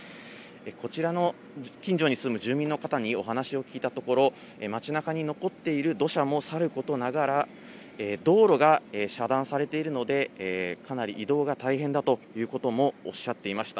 こちらの近所に住む住民の方にお話を聞いたところ、町なかに残っている土砂もさることながら、道路が遮断されているので、かなり移動が大変だということもおっしゃっていました。